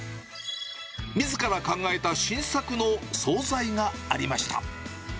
みずから考えた新作の総菜がありました。